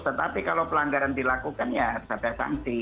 tetapi kalau pelanggaran dilakukan ya harus ada sanksi